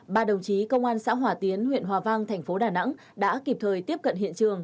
ba đồng chí công an xã hòa tiến huyện hòa vang thành phố đà nẵng đã kịp thời tiếp cận hiện trường